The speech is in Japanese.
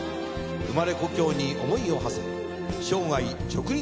生まれ故郷に思いをはせ生涯直立